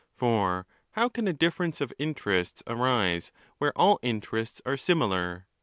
For how can a dif ference of interests arise where all interests are similar?